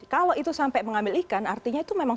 kalau itu sampai mengambil ikan artinya itu memang